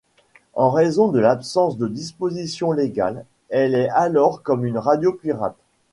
En raison de l'absence de dispositions légales, elle est alors comme une radio pirate.